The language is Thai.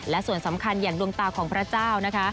และส่วนสำคัญอย่างดวงตาของพระเจ้านะคะ